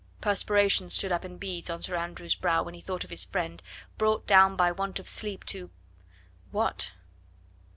Perspiration stood up in beads on Sir Andrew's brow when he thought of his friend, brought down by want of sleep to what?